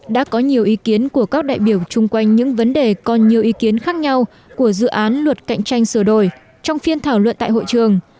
đã có nhiều ý kiến của các đại biểu chung quanh những vấn đề còn nhiều ý kiến khác nhau của dự án luật cạnh tranh sửa đổi trong phiên thảo luận tại hội trường